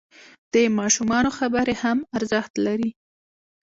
د ماشومانو خبرې هم ارزښت لري.